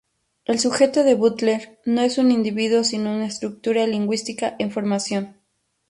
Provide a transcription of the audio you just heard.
El sujeto de Butler no es un individuo sino una estructura lingüística en formación.